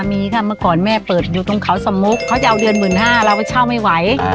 เมื่อก่อนแม่เปิดอยู่ตรงเขาสมมุรกริเชียวเราเช่าไม่ไหว